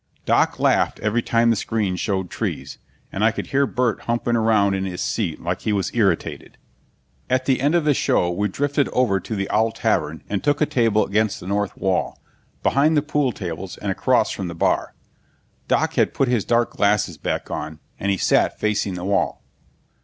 Doc laughed every time the screen showed trees, and I could hear Burt humping around in his seat like he was irritated. At the end of the show we drifted over to the Owl Tavern and took a table against the north wall, behind the pool tables and across from the bar. Doc had put his dark glasses back on, and he sat facing the wall.